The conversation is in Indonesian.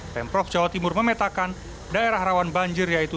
pemprov jawa timur memetakan daerah rawan banjir yaitu